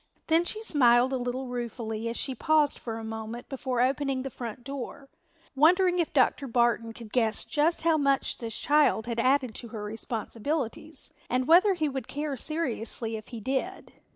Then she smiled a little ruefully as she paused for a moment before opening the front door, wondering if Dr. Barton could guess just how much this child had added to her responsibilities and whether he would care seriously if he did.